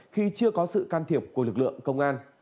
khi chưa có sự can thiệp của lực lượng công an